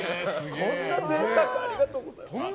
こんな贅沢ありがとうございます。